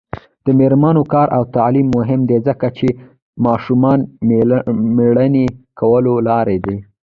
د میرمنو کار او تعلیم مهم دی ځکه چې ماشومانو مړینې کمولو لاره ده.